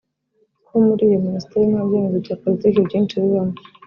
ko muri iyo Ministeri nta byemezo bya politiki byinshi bibamo